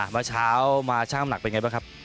เมื่อเช้ามาช่างน้ำหนักเป็นไงบ้างครับ